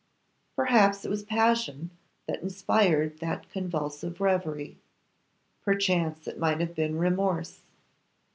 Perhaps it was passion that inspired that convulsive reverie; perchance it might have been remorse.